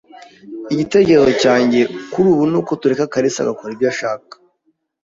Igitekerezo cyanjye kuri ubu nuko tureka kalisa agakora ibyo ashaka.